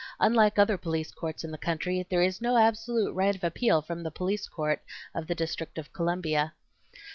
Unlike other police courts in the country, there is no absolute right of appeal from the Police Court of the District of Columbia.